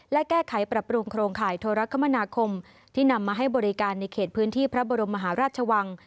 และแก้ไขปรับปรุงโครงข่ายโทรคมนาคมที่นำมาให้บริการในเขตพื้นที่พระบรมมหาราชวัง